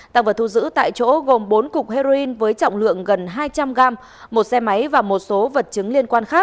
tăng vật thu giữ tại chỗ gồm bốn cục heroin với trọng lượng gần hai trăm linh g một xe máy và một số vật chế